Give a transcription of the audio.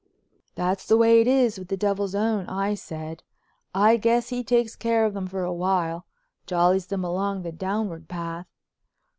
"That's the way it is with the Devil's own," I said. "I guess he takes care of them for a while; jollies them along the downward path."